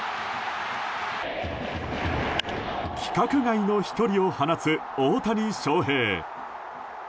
規格外の飛距離を放つ大谷翔平。